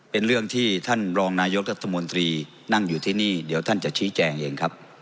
เป็นเรื่องที่ท่านรองนายกรัฐมนตรีนั่งอยู่ที่นี่เดี๋ยวท่านจะชี้แจงเองครับ